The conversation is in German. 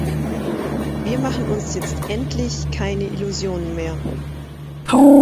Wir machen uns jetzt endlich keine Illusionen mehr!